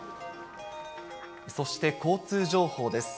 そして交通情報です。